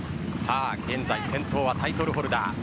現在、先頭はタイトルホルダー。